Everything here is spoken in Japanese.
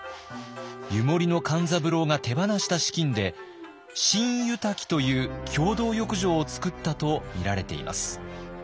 湯守の勘三郎が手放した資金で新湯瀧という共同浴場をつくったとみられています。